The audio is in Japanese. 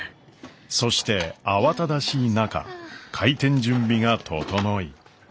そして慌ただしい中開店準備が整い。